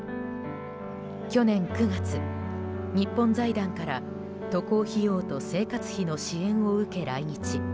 去年９月、日本財団から渡航費用と生活費の支援を受け来日。